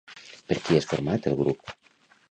Per qui és format el grup?